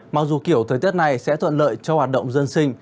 mặc dù kiểu thời tiết này sẽ thuận lợi cho hoạt động dân sinh